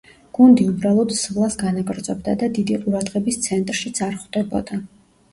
გუნდი უბრალოდ სვლას განაგრძობდა და დიდი ყურადღების ცენტრშიც არ ხვდებოდა.